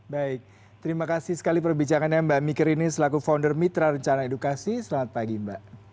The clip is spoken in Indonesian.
baik terima kasih sekali perbicaraannya mbak miker ini selaku founder mitra rencana edukasi selamat pagi mbak